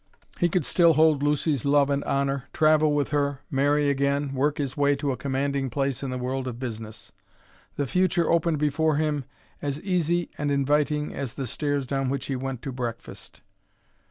He could still hold Lucy's love and honor, travel with her, marry again, work his way to a commanding place in the world of business. The future opened before him as easy and inviting as the stairs down which he went to breakfast.